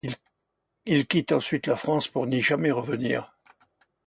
Il quitte ensuite la France pour n'y jamais revenir.